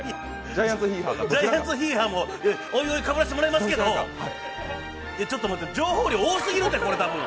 ジャイアンツもヒーハーも追々かぶらせてもらいますけど、ちょっと待って、情報量多すぎるってこれ。